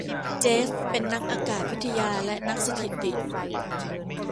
เจฟฟ์เป็นนักอากาศวิทยาและนักสถิติ